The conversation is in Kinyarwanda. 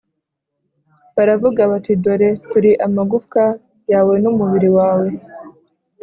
baravuga bati “Dore turi amagufwa yawe n’umubiri wawe.